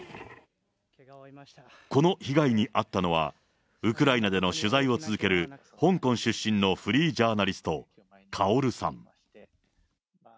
この被害に遭ったのはウクライナでの取材を続ける香港出身のフリージャーナリスト、カオルさん。